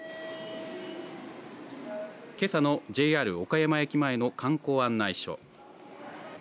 けさのＪＲ岡山駅前の観光案内所。